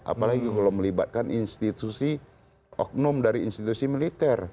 apalagi kalau melibatkan institusi oknum dari institusi militer